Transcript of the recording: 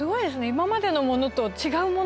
今までのものと違うもの。